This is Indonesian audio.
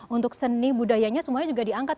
untuk seni budayanya semuanya juga diangkat